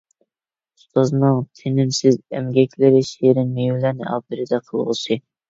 ئۇستازنىڭ تىنىمسىز ئەمگەكلىرى شېرىن مېۋىلەرنى ئاپىرىدە قىلغۇسى!